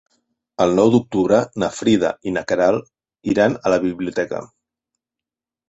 El nou d'octubre na Frida i na Queralt iran a la biblioteca.